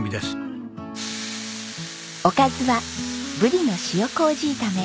おかずはブリの塩麹炒め。